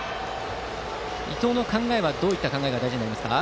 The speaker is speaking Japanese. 伊藤の考えはどういった考えが大事ですか。